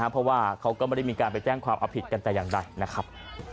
เพราะว่าเขาก็ไม่ได้มีการไปแจ้งความเอาผิดกันแต่อย่างใดนะครับ